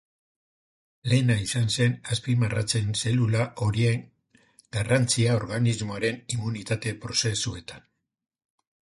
Lehena izan zen azpimarratzen zelula horien garrantzia organismoaren immunitate prozesuetan.